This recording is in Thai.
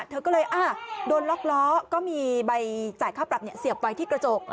เธอก็เลยโดนล๊อคเหล้าก็มีใบจ่ายค่าปรับเนี่ยเสียบไปที่กระจก